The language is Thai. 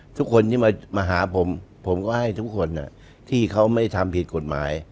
ทุกคนที่มาหาผมผมก็ให้ทุกคนที่เขาไม่ทำผิดกฎหมาย